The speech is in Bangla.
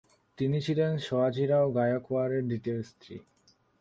তিনি ছিলেন সয়াজিরাও গায়কওয়াড়ের দ্বিতীয় স্ত্রী।